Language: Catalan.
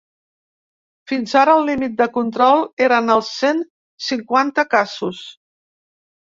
Fins ara, el límit de control eren els cent cinquanta casos.